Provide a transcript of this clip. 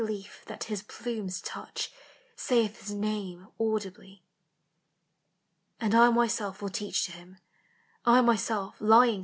l^af that His plumes touch Saith His Name audibly. •• And I myself will teach to him. I myself, lying